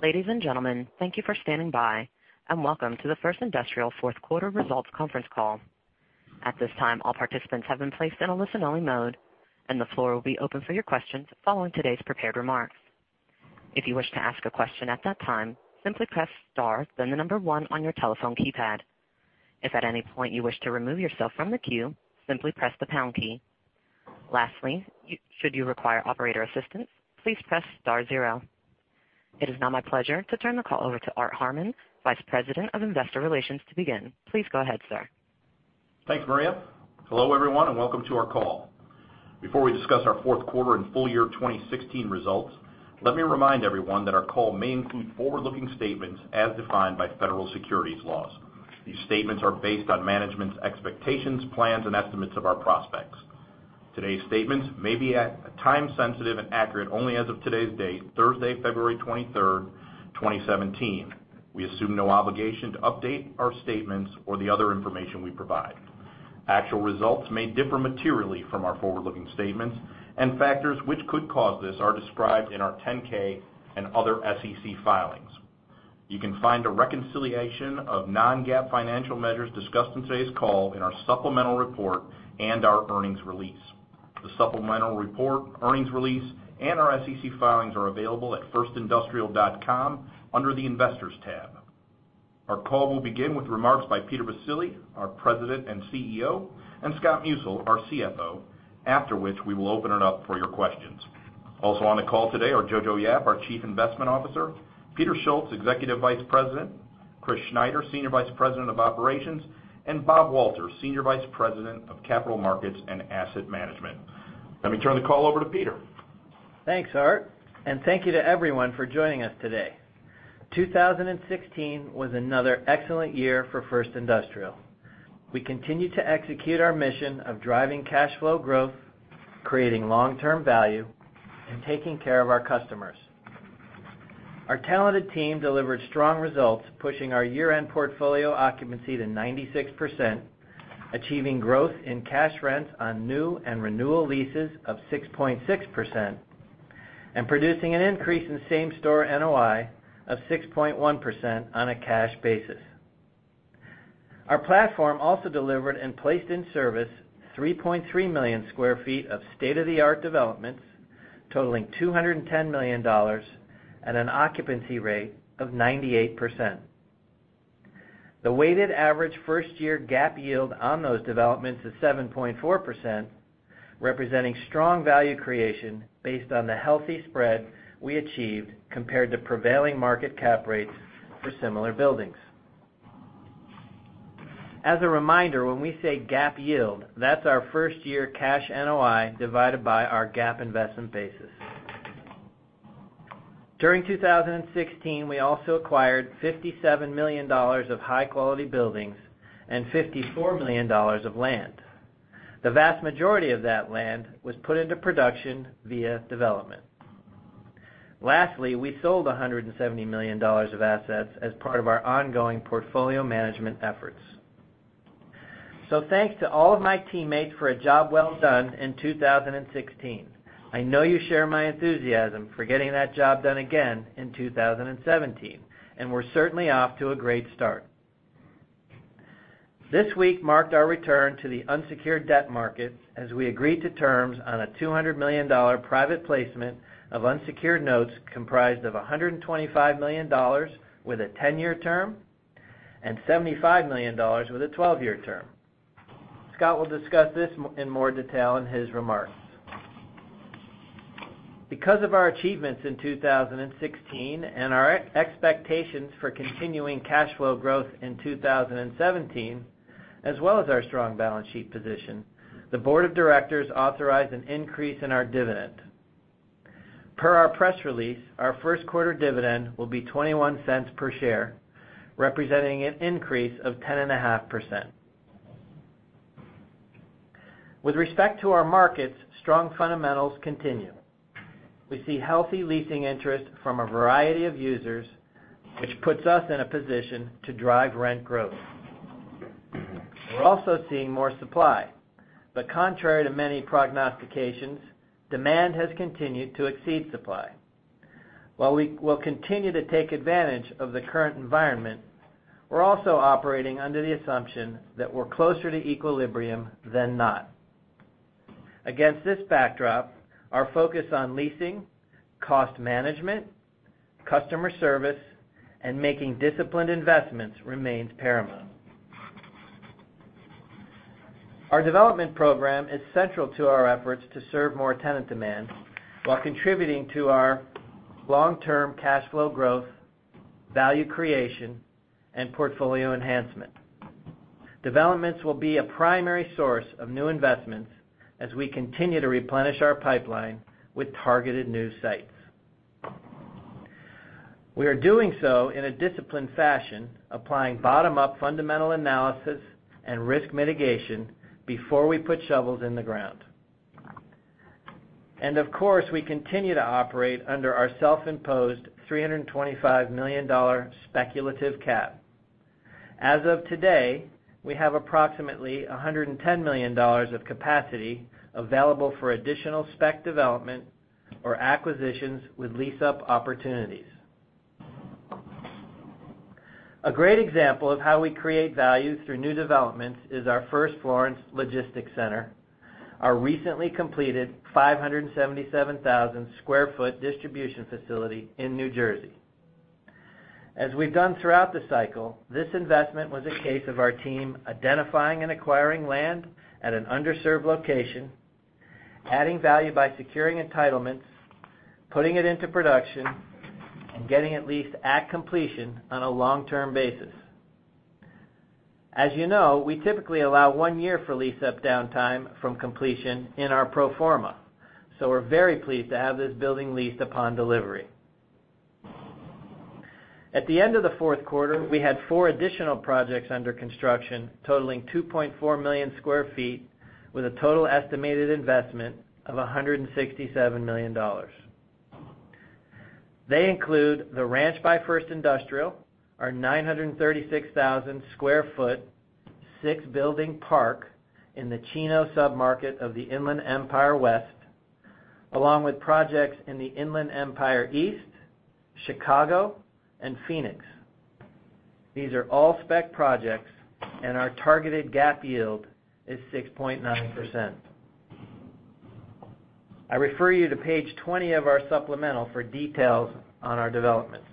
Ladies and gentlemen, thank you for standing by, welcome to the First Industrial fourth quarter results conference call. At this time, all participants have been placed in a listen-only mode, and the floor will be open for your questions following today's prepared remarks. If you wish to ask a question at that time, simply press star then the number one on your telephone keypad. If at any point you wish to remove yourself from the queue, simply press the pound key. Lastly, should you require operator assistance, please press star zero. It is now my pleasure to turn the call over to Art Harman, Vice President of Investor Relations, to begin. Please go ahead, sir. Thanks, Maria. Hello, everyone, and welcome to our call. Before we discuss our fourth quarter and full year 2016 results, let me remind everyone that our call may include forward-looking statements as defined by federal securities laws. These statements are based on management's expectations, plans, and estimates of our prospects. Today's statements may be time sensitive and accurate only as of today's date, Thursday, February 23rd, 2017. We assume no obligation to update our statements or the other information we provide. Actual results may differ materially from our forward-looking statements, factors which could cause this are described in our 10-K and other SEC filings. You can find a reconciliation of non-GAAP financial measures discussed in today's call in our supplemental report and our earnings release. The supplemental report, earnings release, and our SEC filings are available at firstindustrial.com under the Investors tab. Our call will begin with remarks by Peter Baccile, our President and CEO, and Scott Musil, our CFO, after which we will open it up for your questions. Also on the call today are Johannson Yap, our Chief Investment Officer, Peter Schultz, Executive Vice President, Christopher Schneider, Senior Vice President of Operations, and Robert Walter, Senior Vice President of Capital Markets and Asset Management. Let me turn the call over to Peter. Thanks, Art, thank you to everyone for joining us today. 2016 was another excellent year for First Industrial. We continued to execute our mission of driving cash flow growth, creating long-term value, and taking care of our customers. Our talented team delivered strong results, pushing our year-end portfolio occupancy to 96%, achieving growth in cash rents on new and renewal leases of 6.6%, and producing an increase in same-store NOI of 6.1% on a cash basis. Our platform also delivered and placed in service 3.3 million sq ft of state-of-the-art developments, totaling $210 million at an occupancy rate of 98%. The weighted average first-year GAAP yield on those developments is 7.4%, representing strong value creation based on the healthy spread we achieved compared to prevailing market cap rates for similar buildings. As a reminder, when we say GAAP yield, that is our first-year cash NOI divided by our GAAP investment basis. During 2016, we also acquired $57 million of high-quality buildings and $54 million of land. The vast majority of that land was put into production via development. Lastly, we sold $170 million of assets as part of our ongoing portfolio management efforts. Thanks to all of my teammates for a job well done in 2016. I know you share my enthusiasm for getting that job done again in 2017, and we are certainly off to a great start. This week marked our return to the unsecured debt market as we agreed to terms on a $200 million private placement of unsecured notes comprised of $125 million with a 10-year term and $75 million with a 12-year term. Scott will discuss this in more detail in his remarks. Because of our achievements in 2016 and our expectations for continuing cash flow growth in 2017, as well as our strong balance sheet position, the board of directors authorized an increase in our dividend. Per our press release, our first quarter dividend will be $0.21 per share, representing an increase of 10.5%. With respect to our markets, strong fundamentals continue. We see healthy leasing interest from a variety of users, which puts us in a position to drive rent growth. We are also seeing more supply. Contrary to many prognostications, demand has continued to exceed supply. While we will continue to take advantage of the current environment, we are also operating under the assumption that we are closer to equilibrium than not. Against this backdrop, our focus on leasing, cost management, customer service, and making disciplined investments remains paramount. Our development program is central to our efforts to serve more tenant demand while contributing to our long-term cash flow growth, value creation, and portfolio enhancement. Developments will be a primary source of new investments as we continue to replenish our pipeline with targeted new sites. We are doing so in a disciplined fashion, applying bottom-up fundamental analysis and risk mitigation before we put shovels in the ground. Of course, we continue to operate under our self-imposed $325 million speculative cap. As of today, we have approximately $110 million of capacity available for additional spec development or acquisitions with lease-up opportunities. A great example of how we create value through new developments is our First Florence Logistics Center, our recently completed 577,000 square foot distribution facility in New Jersey. As we have done throughout the cycle, this investment was a case of our team identifying and acquiring land at an underserved location, adding value by securing entitlements, putting it into production, and getting it leased at completion on a long-term basis. As you know, we typically allow one year for lease-up downtime from completion in our pro forma. We are very pleased to have this building leased upon delivery. At the end of the fourth quarter, we had four additional projects under construction, totaling 2.4 million square feet, with a total estimated investment of $167 million. They include The Ranch by First Industrial, our 936,000 square foot, six-building park in the Chino submarket of the Inland Empire West, along with projects in the Inland Empire East, Chicago, and Phoenix. These are all spec projects, and our targeted GAAP yield is 6.9%. I refer you to page 20 of our supplemental for details on our developments.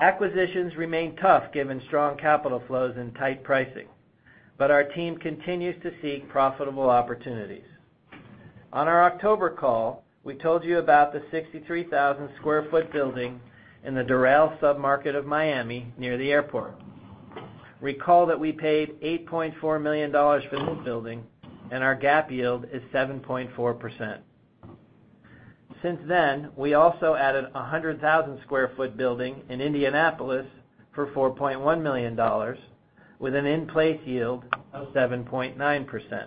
Acquisitions remain tough given strong capital flows and tight pricing, but our team continues to seek profitable opportunities. On our October call, we told you about the 63,000 square foot building in the Doral submarket of Miami near the airport. Recall that we paid $8.4 million for this building, and our GAAP yield is 7.4%. Since then, we also added 100,000 square foot building in Indianapolis for $4.1 million, with an in-place yield of 7.9%.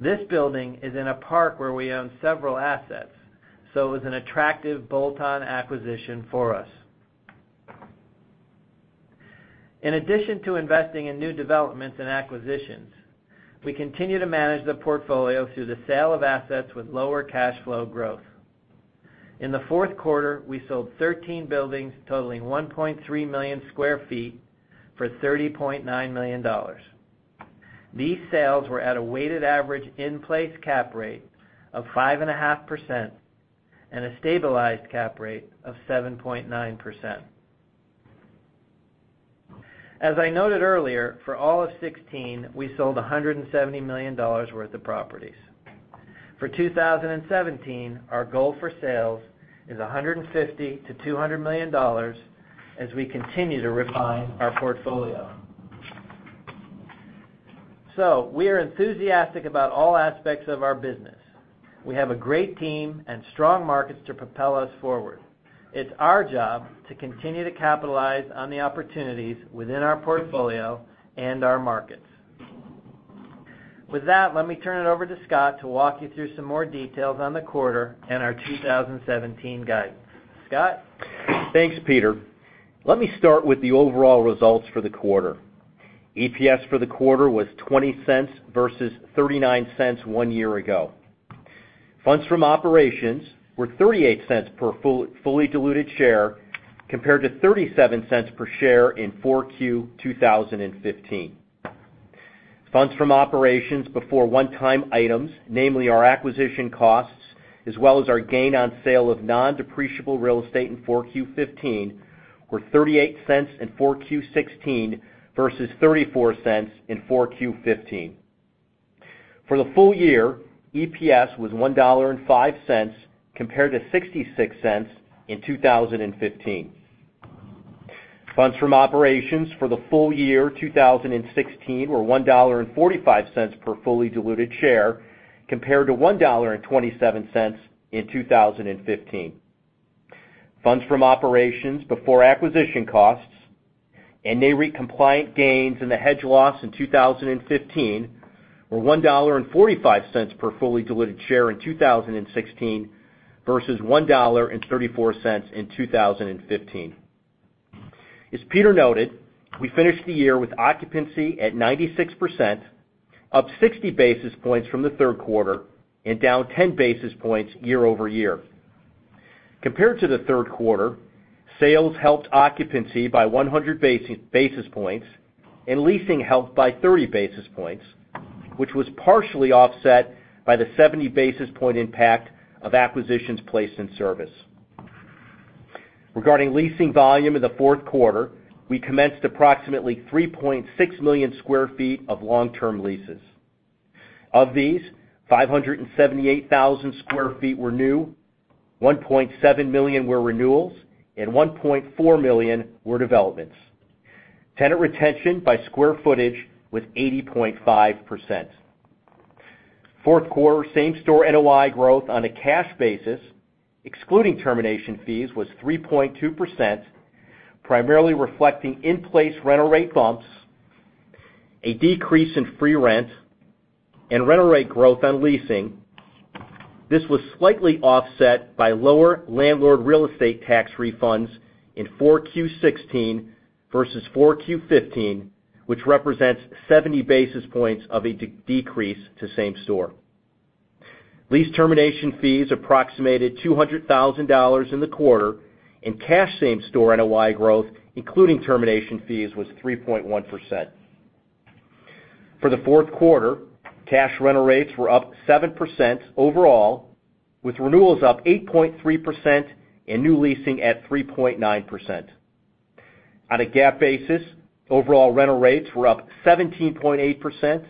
This building is in a park where we own several assets, so it was an attractive bolt-on acquisition for us. In addition to investing in new developments and acquisitions, we continue to manage the portfolio through the sale of assets with lower cash flow growth. In the fourth quarter, we sold 13 buildings totaling 1.3 million square feet for $30.9 million. These sales were at a weighted average in-place cap rate of 5.5% and a stabilized cap rate of 7.9%. As I noted earlier, for all of 2016, we sold $170 million worth of properties. For 2017, our goal for sales is $150 million to $200 million as we continue to refine our portfolio. We are enthusiastic about all aspects of our business. We have a great team and strong markets to propel us forward. It's our job to continue to capitalize on the opportunities within our portfolio and our markets. With that, let me turn it over to Scott to walk you through some more details on the quarter and our 2017 guidance. Scott? Thanks, Peter. Let me start with the overall results for the quarter. EPS for the quarter was $0.20 versus $0.39 one year ago. Funds from operations were $0.38 per fully diluted share, compared to $0.37 per share in 4Q 2015. Funds from operations before one-time items, namely our acquisition costs, as well as our gain on sale of non-depreciable real estate in 4Q 2015, were $0.38 in 4Q 2016 versus $0.34 in 4Q 2015. For the full year, EPS was $1.05, compared to $0.66 in 2015. Funds from operations for the full year 2016 were $1.45 per fully diluted share, compared to $1.27 in 2015. Funds from operations before acquisition costs and any NAREIT-compliant gains in the hedge loss in 2015 were $1.45 per fully diluted share in 2016 versus $1.34 in 2015. As Peter noted, we finished the year with occupancy at 96%, up 60 basis points from the third quarter and down 10 basis points year-over-year. Compared to the third quarter, sales helped occupancy by 100 basis points and leasing helped by 30 basis points, which was partially offset by the 70 basis point impact of acquisitions placed in service. Regarding leasing volume in the fourth quarter, we commenced approximately 3.6 million square feet of long-term leases. Of these, 578,000 square feet were new, 1.7 million were renewals, and 1.4 million were developments. Tenant retention by square footage was 80.5%. Fourth quarter same-store NOI growth on a cash basis, excluding termination fees, was 3.2%, primarily reflecting in-place rental rate bumps. A decrease in free rent and rental rate growth on leasing. This was slightly offset by lower landlord real estate tax refunds in 4Q16 versus 4Q15, which represents 70 basis points of a decrease to same store. Lease termination fees approximated $200,000 in the quarter and cash same store NOI growth, including termination fees, was 3.1%. For the fourth quarter, cash rental rates were up 7% overall, with renewals up 8.3% and new leasing at 3.9%. On a GAAP basis, overall rental rates were up 17.8%,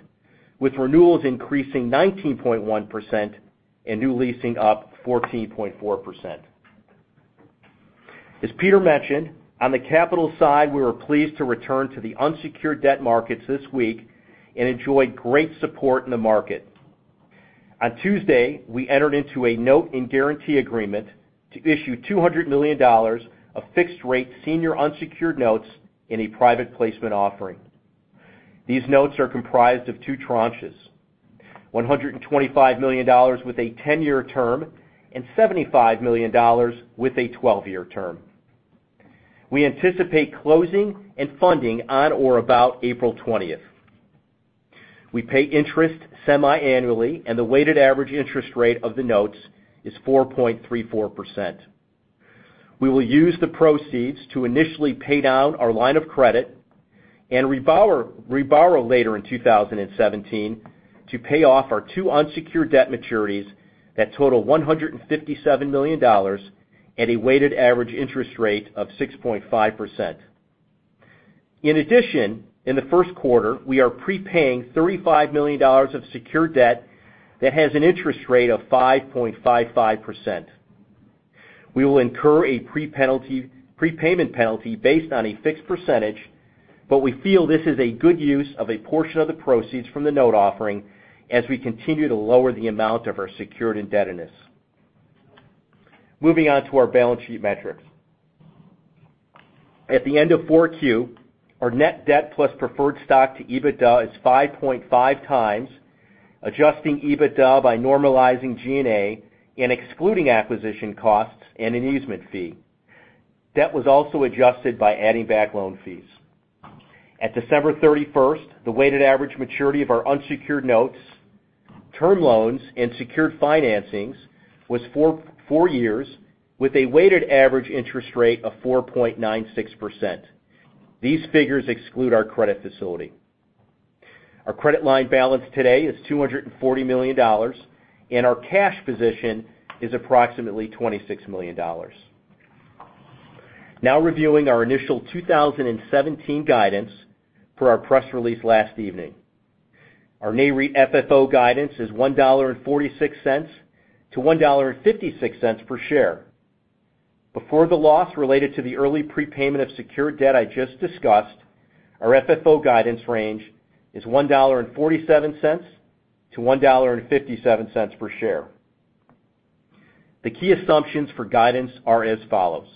with renewals increasing 19.1% and new leasing up 14.4%. As Peter mentioned, on the capital side, we were pleased to return to the unsecured debt markets this week and enjoyed great support in the market. On Tuesday, we entered into a note and guarantee agreement to issue $200 million of fixed-rate senior unsecured notes in a private placement offering. These notes are comprised of two tranches, $125 million with a 10-year term and $75 million with a 12-year term. We anticipate closing and funding on or about April 20th. We pay interest semiannually, and the weighted average interest rate of the notes is 4.34%. We will use the proceeds to initially pay down our line of credit and reborrow later in 2017 to pay off our two unsecured debt maturities that total $157 million at a weighted average interest rate of 6.5%. In addition, in the first quarter, we are prepaying $35 million of secured debt that has an interest rate of 5.55%. We will incur a prepayment penalty based on a fixed percentage, but we feel this is a good use of a portion of the proceeds from the note offering as we continue to lower the amount of our secured indebtedness. Moving on to our balance sheet metrics. At the end of 4Q, our net debt plus preferred stock to EBITDA is 5.5 times, adjusting EBITDA by normalizing G&A and excluding acquisition costs and an easement fee. Debt was also adjusted by adding back loan fees. At December 31st, the weighted average maturity of our unsecured notes, term loans, and secured financings was four years with a weighted average interest rate of 4.96%. These figures exclude our credit facility. Our credit line balance today is $240 million, and our cash position is approximately $26 million. Now reviewing our initial 2017 guidance for our press release last evening. Our NAREIT FFO guidance is $1.46 to $1.56 per share. Before the loss related to the early prepayment of secured debt I just discussed, our FFO guidance range is $1.47 to $1.57 per share. The key assumptions for guidance are as follows.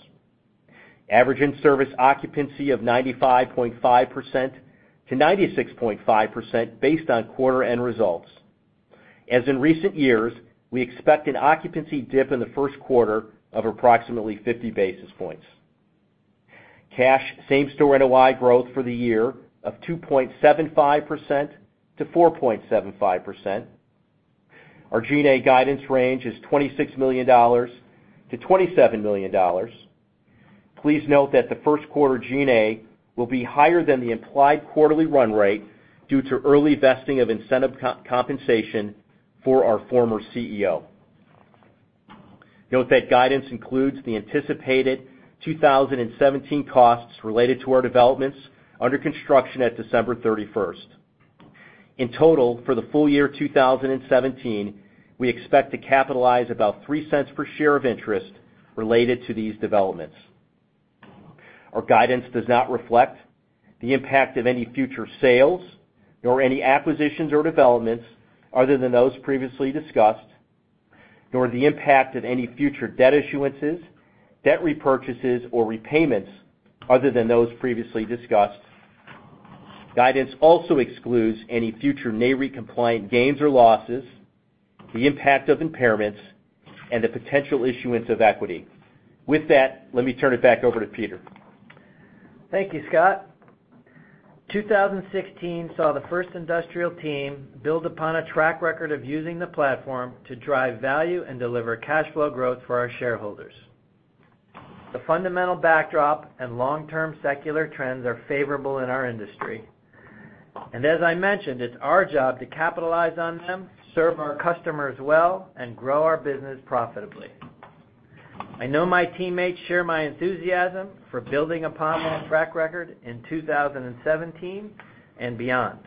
Average in-service occupancy of 95.5%-96.5% based on quarter-end results. As in recent years, we expect an occupancy dip in the first quarter of approximately 50 basis points. Cash same store NOI growth for the year of 2.75%-4.75%. Our G&A guidance range is $26 million-$27 million. Please note that the first quarter G&A will be higher than the implied quarterly run rate due to early vesting of incentive compensation for our former CEO. Note that guidance includes the anticipated 2017 costs related to our developments under construction at December 31st. In total, for the full year 2017, we expect to capitalize about $0.03 per share of interest related to these developments. Our guidance does not reflect the impact of any future sales, nor any acquisitions or developments other than those previously discussed, nor the impact of any future debt issuances, debt repurchases, or repayments, other than those previously discussed. Guidance also excludes any future NAREIT-compliant gains or losses, the impact of impairments, and the potential issuance of equity. With that, let me turn it back over to Peter. Thank you, Scott. 2016 saw the First Industrial team build upon a track record of using the platform to drive value and deliver cash flow growth for our shareholders. The fundamental backdrop and long-term secular trends are favorable in our industry. As I mentioned, it's our job to capitalize on them, serve our customers well, and grow our business profitably. I know my teammates share my enthusiasm for building upon that track record in 2017 and beyond.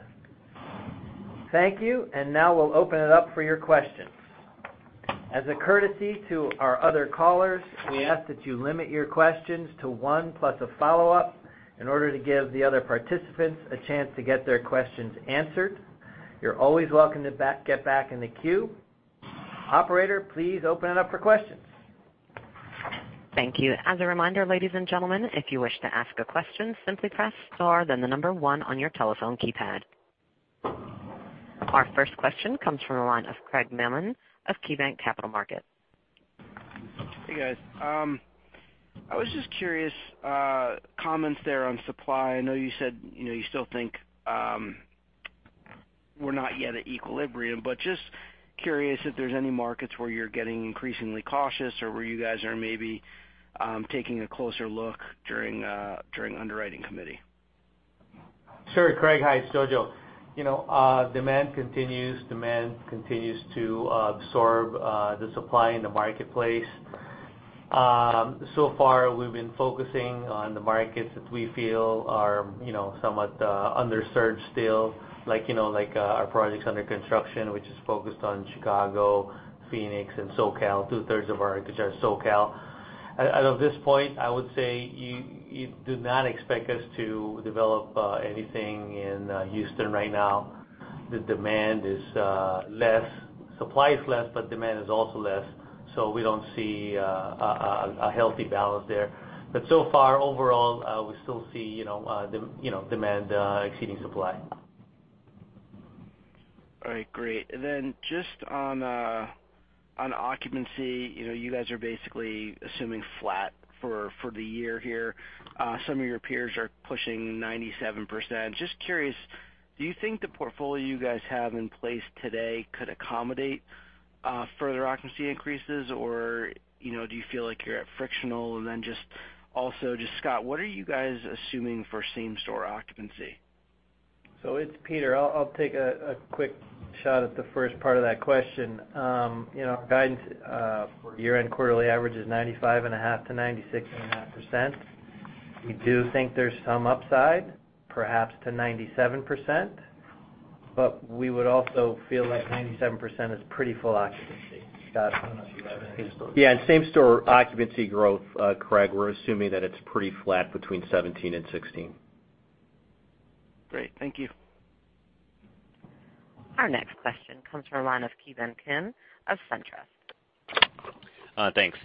Thank you. Now we'll open it up for your questions. As a courtesy to our other callers, we ask that you limit your questions to one plus a follow-up in order to give the other participants a chance to get their questions answered. You're always welcome to get back in the queue. Operator, please open it up for questions. Thank you. As a reminder, ladies and gentlemen, if you wish to ask a question, simply press star then the number one on your telephone keypad. Our first question comes from the line of Craig Mailman of KeyBanc Capital Markets. Hey, guys. I was just curious, comments there on supply. I know you said you still think we're not yet at equilibrium, but just curious if there's any markets where you're getting increasingly cautious or where you guys are maybe taking a closer look during underwriting committee. Sure, Craig. Hi, it's Jojo. Demand continues to absorb the supply in the marketplace. So far, we've been focusing on the markets that we feel are somewhat underserved still like our projects under construction, which is focused on Chicago, Phoenix, and SoCal. Two-thirds of our are SoCal. At this point, I would say, you do not expect us to develop anything in Houston right now. The demand is less. Supply is less, but demand is also less, so we don't see a healthy balance there. So far, overall, we still see demand exceeding supply. All right, great. Just on occupancy, you guys are basically assuming flat for the year here. Some of your peers are pushing 97%. Just curious, do you think the portfolio you guys have in place today could accommodate further occupancy increases, or do you feel like you're at frictional? Just also, Scott, what are you guys assuming for same-store occupancy? It's Peter. I'll take a quick shot at the first part of that question. Our guidance for year-end quarterly average is 95.5%-96.5%. We do think there's some upside, perhaps to 97%, but we would also feel that 97% is pretty full occupancy. Scott, I don't know if you have anything to add. In same-store occupancy growth, Craig, we're assuming that it's pretty flat between 2017 and 2016. Great. Thank you. Our next question comes from the line of Ki Bin Kim of SunTrust. Thanks.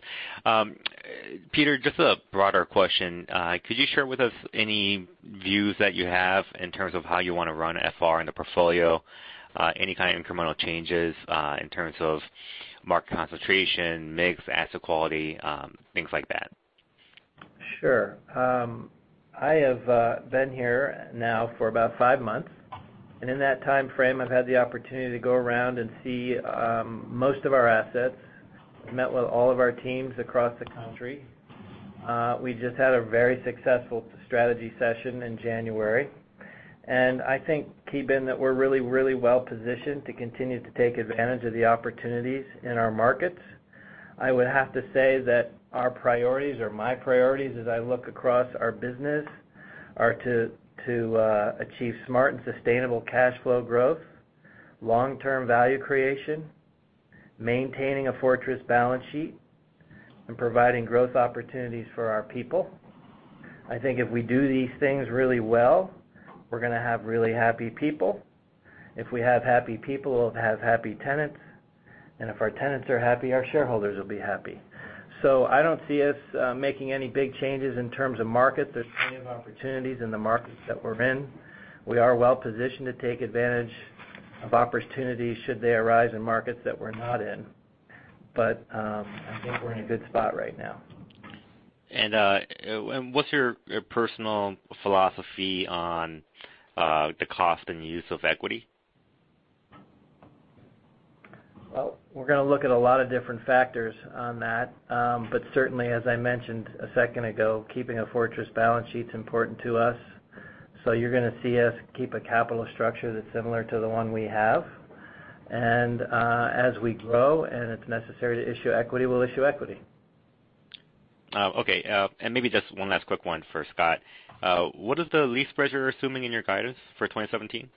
Peter, just a broader question. Could you share with us any views that you have in terms of how you want to run FR in the portfolio? Any kind of incremental changes in terms of market concentration, mix, asset quality, things like that? Sure. I have been here now for about five months. In that timeframe, I've had the opportunity to go around and see most of our assets. I've met with all of our teams across the country. We just had a very successful strategy session in January. I think, Ki Bin, that we're really well-positioned to continue to take advantage of the opportunities in our markets. I would have to say that our priorities or my priorities as I look across our business are to achieve smart and sustainable cash flow growth, long-term value creation, maintaining a fortress balance sheet, and providing growth opportunities for our people. I think if we do these things really well, we're going to have really happy people. If we have happy people, we'll have happy tenants. If our tenants are happy, our shareholders will be happy. I don't see us making any big changes in terms of market. There's plenty of opportunities in the markets that we're in. We are well-positioned to take advantage of opportunities should they arise in markets that we're not in. I think we're in a good spot right now. What's your personal philosophy on the cost and use of equity? Well, we're going to look at a lot of different factors on that. Certainly, as I mentioned a second ago, keeping a fortress balance sheet's important to us. You're going to see us keep a capital structure that's similar to the one we have. As we grow and it's necessary to issue equity, we'll issue equity. Okay. Maybe just one last quick one for Scott. What is the lease price you're assuming in your guidance for 2017?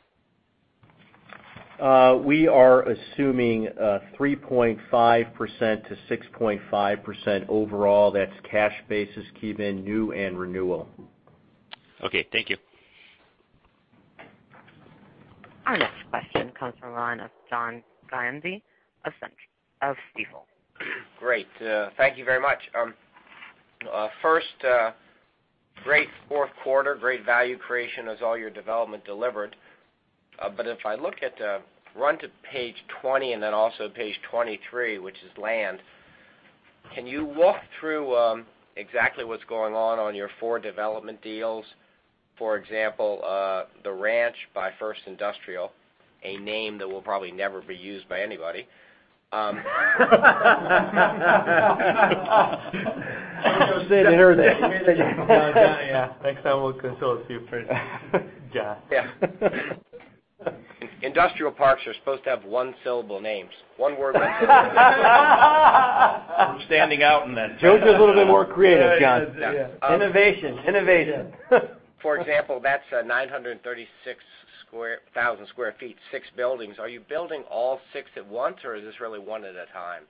We are assuming 3.5%-6.5% overall. That's cash basis, Ki Bin, new and renewal. Okay, thank you. Our next question comes from the line of John Guinee of Stifel. Great. Thank you very much. First, great fourth quarter, great value creation as all your development delivered. If I look at the Run to page 20 and then also page 23, which is land. Can you walk through exactly what's going on on your four development deals? For example, The Ranch by First Industrial, a name that will probably never be used by anybody. I was going to say, they heard that. Yeah. Next time we'll consult with you first, John. Yeah. Industrial parks are supposed to have one-syllable names, one-word names. Standing out in that. Joe's is a little bit more creative, John. Yeah. Innovation. For example, that's 936,000 square feet, six buildings. Are you building all six at once, or is this really one at a time?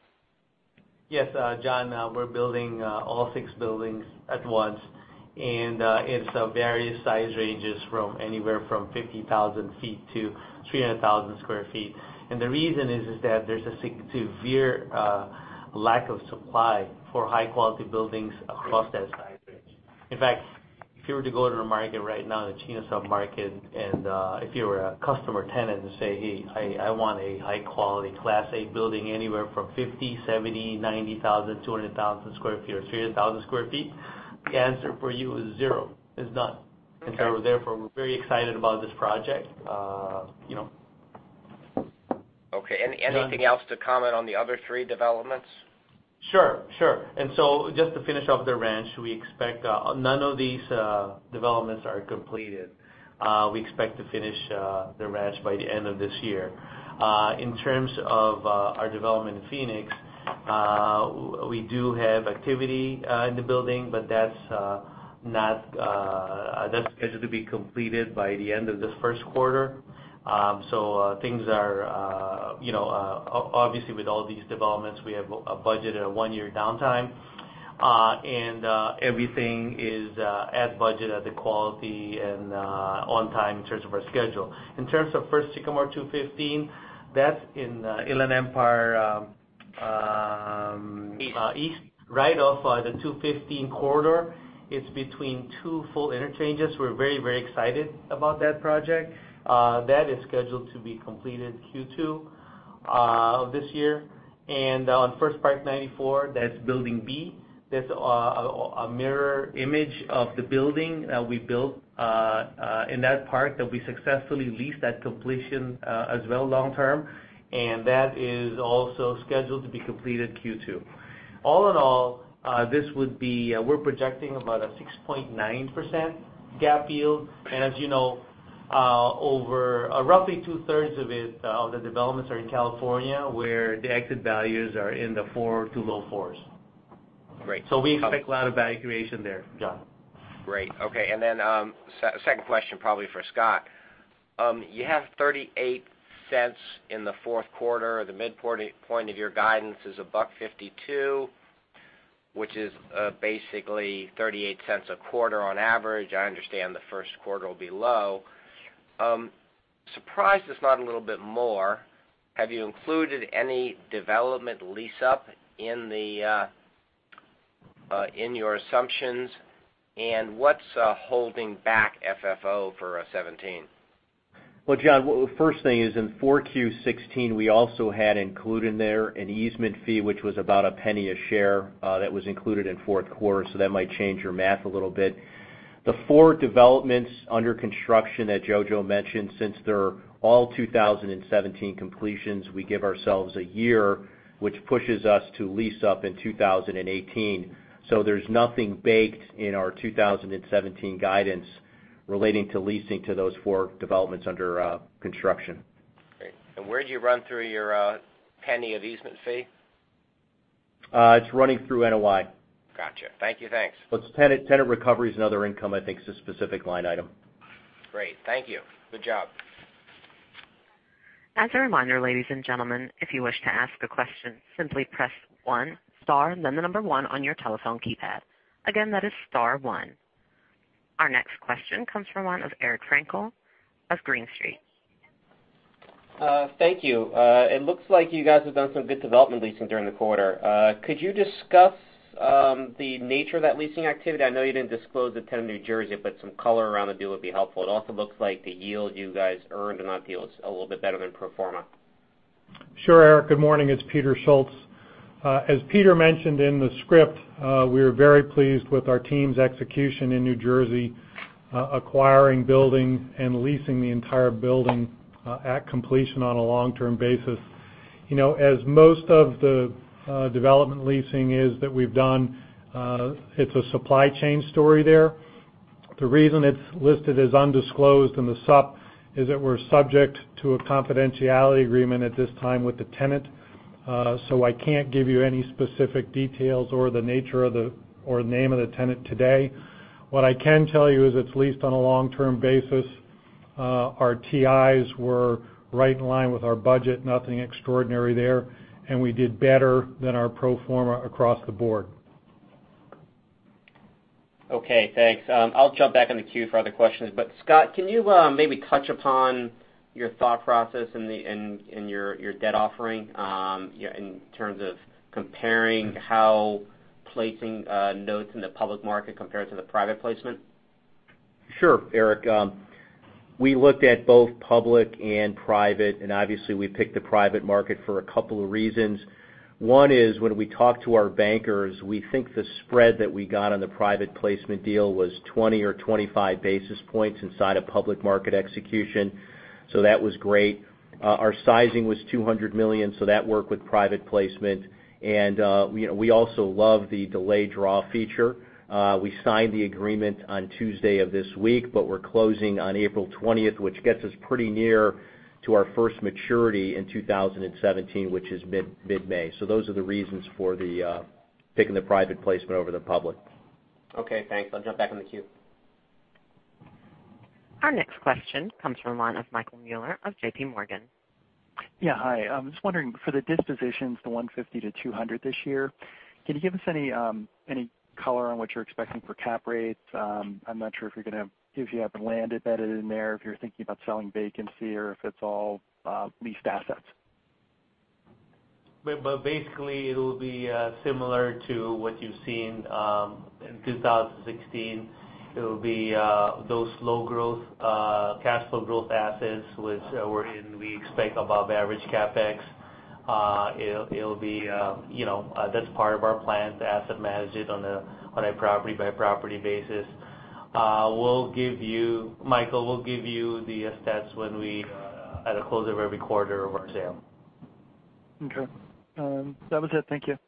Yes, John. We're building all six buildings at once. It's various size ranges from anywhere from 50,000 feet to 300,000 square feet. The reason is that there's a severe lack of supply for high-quality buildings across that size range. In fact, if you were to go to the market right now, the Chino sub-market, if you were a customer tenant and say, "Hey, I want a high-quality Class A building anywhere from 50,000, 70,000 90,000, 200,000 square feet or 300,000 square feet," the answer for you is zero. It's none. Okay. Therefore, we're very excited about this project. Okay. Anything else to comment on the other three developments? Sure. Just to finish off The Ranch, none of these developments are completed. We expect to finish The Ranch by the end of this year. In terms of our development in Phoenix, we do have activity in the building, but that's scheduled to be completed by the end of this first quarter. Things are, obviously, with all these developments, we have a budget at a 1-year downtime. Everything is at budget, at the quality, and on time in terms of our schedule. In terms of First Sycamore 215, that's in Inland Empire- East east, right off the 215 corridor. It's between 2 full interchanges. We're very excited about that project. That is scheduled to be completed Q2 of this year. On First Park 94, that's Building B, that's a mirror image of the building that we built in that park that we successfully leased at completion as well, long term, and that is also scheduled to be completed Q2. All in all, we're projecting about a 6.9% GAAP yield. As you know, over roughly two-thirds of it, of the developments are in California, where the exit values are in the four to low fours. Great. We expect a lot of valuation there, John. Great. Okay, second question probably for Scott. You have $0.38 in the fourth quarter. The midpoint of your guidance is $1.52, which is basically $0.38 a quarter on average. I understand the first quarter will be low. Surprised it's not a little bit more. Have you included any development lease-up in your assumptions, and what's holding back FFO for 2017? Well, John, first thing is in 4Q 2016, we also had included in there an easement fee, which was about $0.01 a share that was included in fourth quarter. That might change your math a little bit. The four developments under construction that Jojo mentioned, since they're all 2017 completions, we give ourselves a year, which pushes us to lease up in 2018. There's nothing baked in our 2017 guidance relating to leasing to those four developments under construction. Great. Where do you run through your $0.01 of easement fee? It's running through NOI. Got you. Thank you. Thanks. Tenant recovery is another income, I think it's a specific line item. Great. Thank you. Good job. As a reminder, ladies and gentlemen, if you wish to ask a question, simply press star then the number one on your telephone keypad. Again, that is star one. Our next question comes from one of Eric Frankel of Green Street. Thank you. It looks like you guys have done some good development leasing during the quarter. Could you discuss the nature of that leasing activity? I know you didn't disclose the tenant in New Jersey, but some color around the deal would be helpful. It also looks like the yield you guys earned in that deal is a little bit better than pro forma. Sure, Eric. Good morning, it's Peter Schultz. As Peter mentioned in the script, we are very pleased with our team's execution in New Jersey, acquiring, building, and leasing the entire building at completion on a long-term basis. As most of the development leasing is that we've done, it's a supply chain story there. The reason it's listed as undisclosed in the sup is that we're subject to a confidentiality agreement at this time with the tenant. I can't give you any specific details or the nature or the name of the tenant today. What I can tell you is it's leased on a long-term basis. Our TIs were right in line with our budget, nothing extraordinary there, and we did better than our pro forma across the board. Okay, thanks. I'll jump back in the queue for other questions. Scott, can you maybe touch upon your thought process in your debt offering, in terms of comparing how placing notes in the public market compares to the private placement? Sure, Eric. We looked at both public and private, obviously, we picked the private market for a couple of reasons. One is when we talked to our bankers, we think the spread that we got on the private placement deal was 20 or 25 basis points inside a public market execution, that was great. Our sizing was $200 million, that worked with private placement. We also love the delay draw feature. We signed the agreement on Tuesday of this week, we're closing on April 20th, which gets us pretty near to our first maturity in 2017, which is mid-May. Those are the reasons for the picking the private placement over the public. Okay, thanks. I'll jump back in the queue. Our next question comes from the line of Michael Mueller of JPMorgan. Yeah, hi. I'm just wondering, for the dispositions, the $150-$200 this year, can you give us any color on what you're expecting for cap rates? I'm not sure if you have land embedded in there, if you're thinking about selling vacancy, or if it's all leased assets. Basically, it'll be similar to what you've seen in 2016. It'll be those low growth, cash flow growth assets, which we're in. We expect above-average CapEx. That's part of our plan, to asset manage it on a property-by-property basis. Michael, we'll give you the stats at the close of every quarter of our sale. Okay. That was it. Thank you.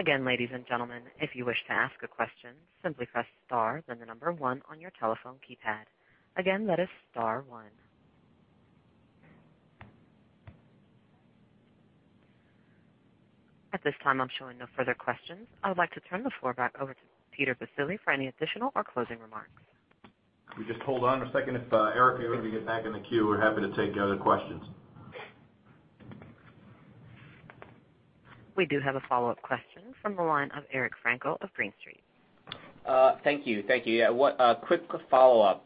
Again, ladies and gentlemen, if you wish to ask a question, simply press star then the number one on your telephone keypad. Again, that is star one. At this time, I'm showing no further questions. I would like to turn the floor back over to Peter Baccile for any additional or closing remarks. Can you just hold on a second? If, Eric, you're able to get back in the queue, we're happy to take other questions. We do have a follow-up question from the line of Eric Frankel of Green Street. Thank you. Yeah. A quick follow-up.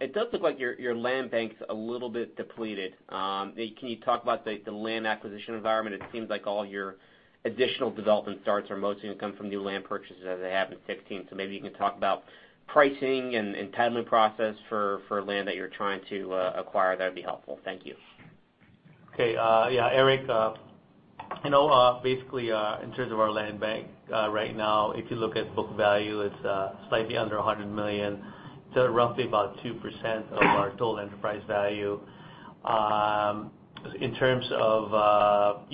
It does look like your land bank's a little bit depleted. Can you talk about the land acquisition environment? It seems like all your additional development starts are mostly going to come from new land purchases, as they have in 2016. Maybe you can talk about pricing and timing process for land that you're trying to acquire, that'd be helpful. Thank you. Okay. Yeah, Eric, basically, in terms of our land bank right now, if you look at book value, it's slightly under $100 million, so roughly about 2% of our total enterprise value. In terms of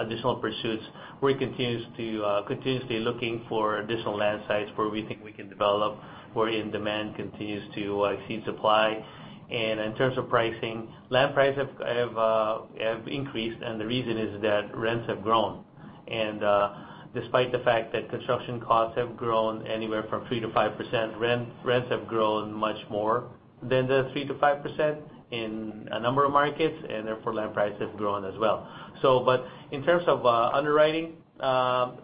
additional pursuits, we're continuously looking for additional land sites where we think we can develop, where demand continues to exceed supply. In terms of pricing, land prices have increased, and the reason is that rents have grown. Despite the fact that construction costs have grown anywhere from 3%-5%, rents have grown much more than the 3%-5% in a number of markets, and therefore, land prices have grown as well. In terms of underwriting,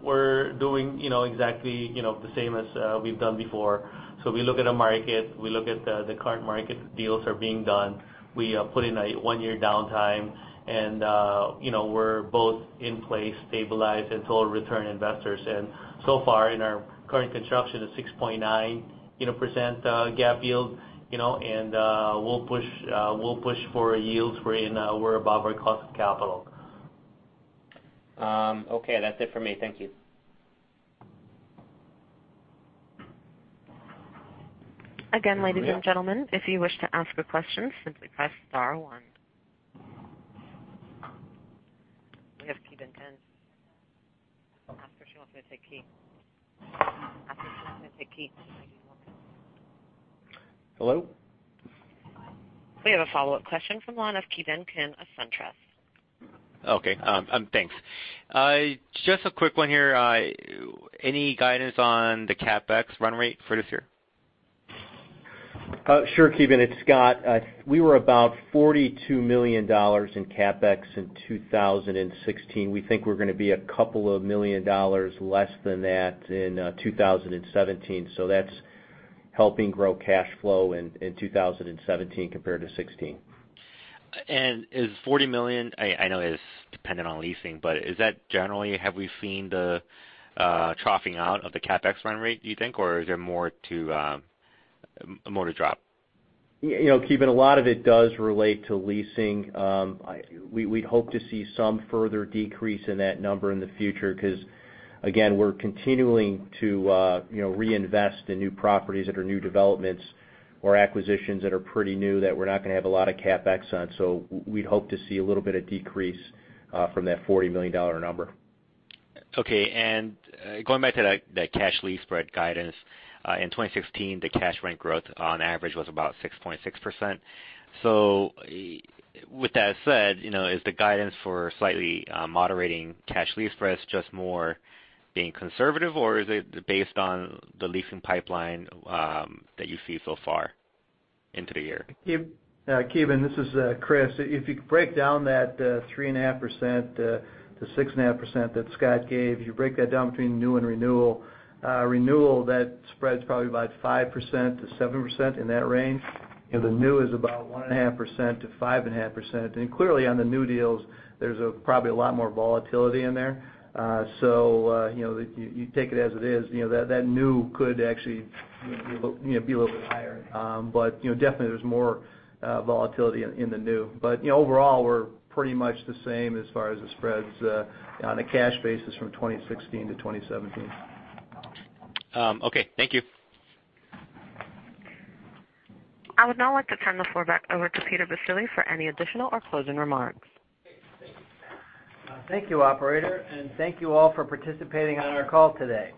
we're doing exactly the same as we've done before. We look at a market, we look at the current market deals that are being done. We put in a one-year downtime, and we're both in place, stabilized, and total return investors. So far, in our current construction of 6.9% GAAP yield, and we'll push for yields where we're above our cost of capital. Okay, that's it for me. Thank you. Again, ladies and gentlemen. Yeah if you wish to ask a question, simply press star one. We have Ki Bin Kim. Ask her. She wants me to say Key. Hello? We have a follow-up question from the line of Ki Bin Kim of SunTrust. Okay. Thanks. Just a quick one here. Any guidance on the CapEx run rate for this year? Sure, Ki Bin. It's Scott. We were about $42 million in CapEx in 2016. We think we're going to be a couple of million dollars less than that in 2017. That's helping grow cash flow in 2017 compared to 2016. Is $40 million, I know it is dependent on leasing, is that generally, have we seen the troughing out of the CapEx run rate, do you think, or is there more to drop? Ki Bin, a lot of it does relate to leasing. We'd hope to see some further decrease in that number in the future because, again, we're continuing to reinvest in new properties that are new developments or acquisitions that are pretty new that we're not going to have a lot of CapEx on. We'd hope to see a little bit of decrease from that $40 million number. Okay. Going back to that cash lease spread guidance, in 2016, the cash rent growth on average was about 6.6%. With that said, is the guidance for slightly moderating cash lease spreads just more being conservative, or is it based on the leasing pipeline that you see so far into the year? Ki Bin, this is Chris. If you break down that 3.5%-6.5% that Scott gave, if you break that down between new and renewal, that spread's probably about 5%-7%, in that range. The new is about 1.5%-5.5%. Clearly, on the new deals, there's probably a lot more volatility in there. You take it as it is. That new could actually be a little bit higher. Definitely, there's more volatility in the new. Overall, we're pretty much the same as far as the spreads on a cash basis from 2016 to 2017. Okay, thank you. I would now like to turn the floor back over to Peter Baccile for any additional or closing remarks. Thank you, operator, and thank you all for participating on our call today.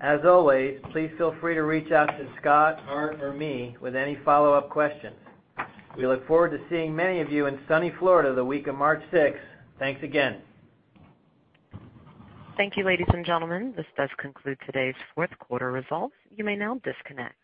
As always, please feel free to reach out to Scott, Art, or me with any follow-up questions. We look forward to seeing many of you in sunny Florida the week of March 6th. Thanks again. Thank you, ladies and gentlemen. This does conclude today's fourth quarter results. You may now disconnect.